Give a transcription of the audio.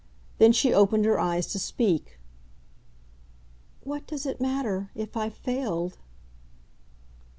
Then she opened her eyes to speak. "What does it matter if I've failed?"